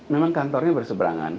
memang kantornya berseberangan